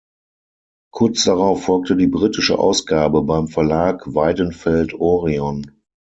Kurz darauf folgte die britische Ausgabe beim Verlag „Weidenfeld-Orion“.